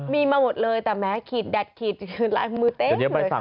มีมาหมดเลยแต่แม้ขีดแดดขีดคือลายมือเต็มเลย